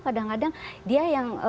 kadang kadang dia yang